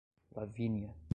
Lavínia